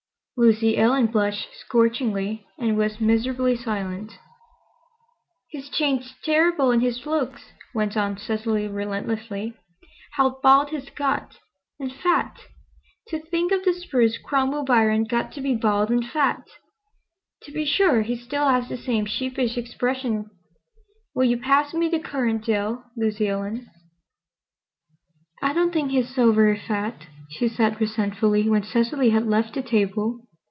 Lucy Ellen blushed scorchingly and was miserably silent. "He's changed terrible in his looks," went on Cecily relentlessly. "How bald he's got—and fat! To think of the spruce Cromwell Biron got to be bald and fat! To be sure, he still has the same sheepish expression. Will you pass me the currant jell, Lucy Ellen?" "I don't think he's so very fat," she said resentfully, when Cecily had left the table.